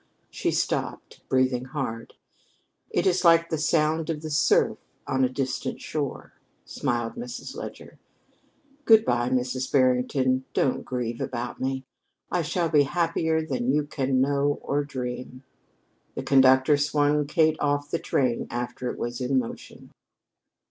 She stopped, breathing hard. "It is like the sound of the surf on a distant shore," smiled Mrs. Leger. "Good bye, Miss Barrington. Don't grieve about me. I shall be happier than you can know or dream." The conductor swung Kate off the train after it was in motion.